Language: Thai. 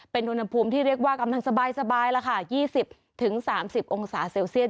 เป็นอุณหภูมิที่เรียกว่ากำลังสบายแล้วค่ะ๒๐๓๐องศาเซลเซียส